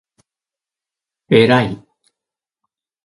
えらい